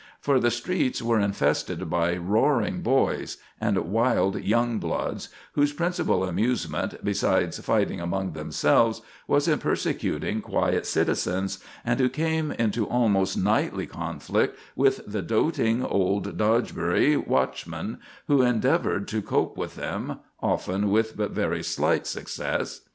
For the streets were infested by "roaring boys" and wild young bloods, whose principal amusement, besides fighting among themselves, was in persecuting quiet citizens, and who came into almost nightly conflict with the doting old Dogberry watchmen, who endeavored to cope with them, often with but very slight success.